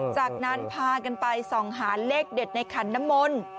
จากนั้นพากันไปส่องหาเลขเด็ดในขันน้ำมนต์